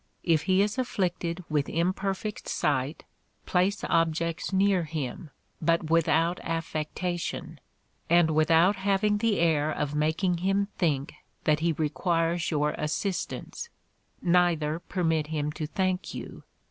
If he is afflicted with imperfect sight, place objects near him, but without affectation, and without having the air of making him think that he requires your assistance, neither permit him to thank you.